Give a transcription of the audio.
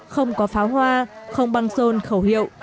không có pháo hoa không băng rôn khẩu hiệu